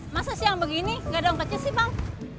masa siang begini gak ada yang kecil sih bang